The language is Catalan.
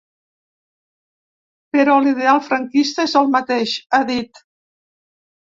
Però l’ideal franquista és el mateix, ha dit.